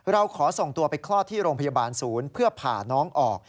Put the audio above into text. เราขอส่งตัวไปคลอดที่โรงพยาบาลศูนย์เพื่อผ่าน้องออก